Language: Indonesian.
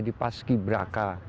di paski braka